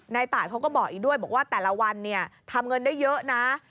ตายเขาก็บอกอีกด้วยบอกว่าแต่ละวันเนี่ยทำเงินได้เยอะนะ